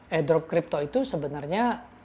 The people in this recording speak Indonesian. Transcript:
airdrop crypto itu sebenarnya